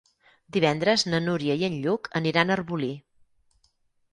Divendres na Núria i en Lluc aniran a Arbolí.